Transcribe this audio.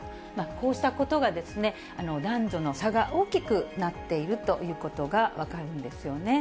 こうしたことが、男女の差が大きくなっているということが分かるんですよね。